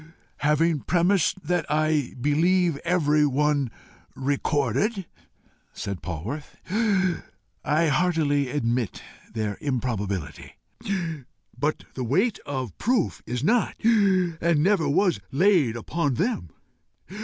"Having premised that I believe every one recorded," said Polwarth, "I heartily admit their improbability. But the WEIGHT of proof is not, and never was laid upon them.